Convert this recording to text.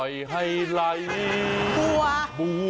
อย่าให้ไหลบัว